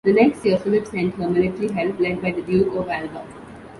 The next year, Philip sent her military help led by the Duke of Alba.